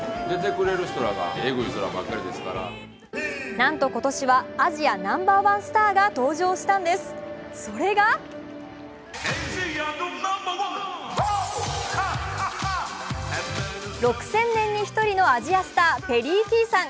なんと今年はアジアナンバーワンスターが登場したんです、それが６０００年に１人のアジアスター、ペリー・キーさん。